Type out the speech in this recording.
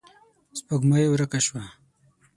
سپوږمۍ ورکه شوه.